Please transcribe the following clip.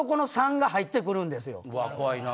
怖いな。